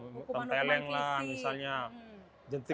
hukuman umat fisik